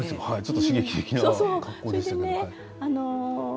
刺激的な格好でしたけれども。